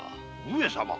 上様。